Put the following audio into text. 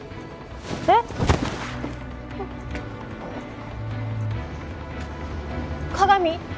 えっ？加賀美？